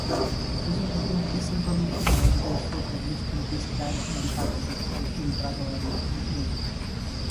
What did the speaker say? This information was therefore published in "Riksdag and Department", an intra-governmental newspaper.